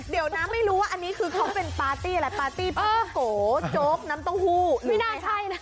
เดี๋ยวนะไม่รู้ว่าอันนี้คือเขาเป็นปาร์ตี้อะไรปาร์ตี้ปลาโกโจ๊กน้ำเต้าหู้ไม่น่าใช่นะ